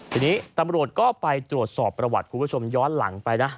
ทีนี้ตำรวจก็ไปตรวจสอบประวัติคุณผู้ชมย้อนหลังไปนะ